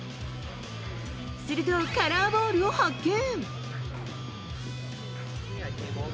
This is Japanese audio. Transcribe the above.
するとカラーボールを発見。